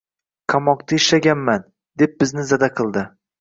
Qamoqda ishlaganman, deb bizni zada qildi